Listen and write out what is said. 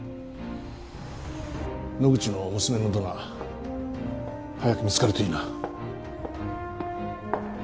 野口の娘のドナー早く見つかるといいな。